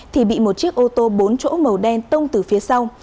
thì bị một chiếc ô tô bốn chỗ màu đen tông từ phía sau